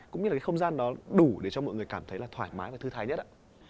cũng như là cái không gian đó đủ để cho mọi người cảm thấy là thoải mái và thư thái nhất ạ